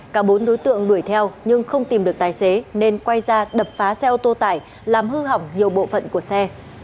cả bốn đối tượng đuổi theo nhưng không tìm được tài xế nên quay ra đập phá xe ô tô tải làm hư hỏng nhiều bộ phận của xe